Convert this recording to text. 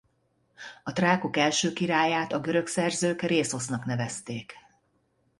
A trákok első királyát a görög szerzők Rhészosznak nevezték.